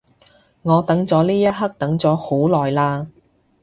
我等咗呢一刻等咗好耐嘞